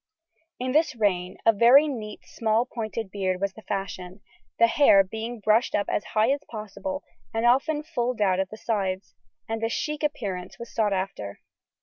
In this reign a very neat small pointed beard was the fashion, the hair being brushed up as high as possible and often fulled out at the sides, and a "chic" appearance was sought after.